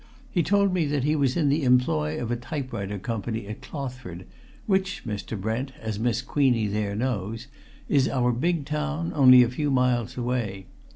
He told me that he was in the employ of a typewriter company at Clothford, which, Mr. Brent, as Miss Queenie there knows, is our big town, only a few miles away.